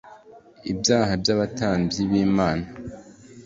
Ibyaha by abatambyi b imana